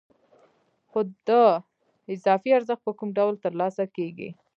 خو دا اضافي ارزښت په کوم ډول ترلاسه کېږي